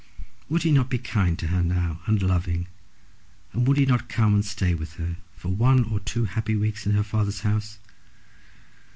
Would he not be kind to her now, and loving, and would he not come and stay with her for one or two happy weeks in her father's house?